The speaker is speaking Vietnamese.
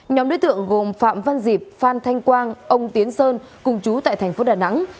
nhóm đối tượng gồm phạm văn dịp phan thanh quang ông tiến sơn cùng chú tại thành phố đà nẵng